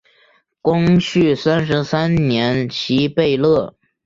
光绪三十三年袭贝勒。